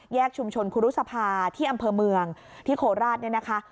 ชุมชนคุรุษภาที่อำเภอเมืองที่โคราชเนี่ยนะคะ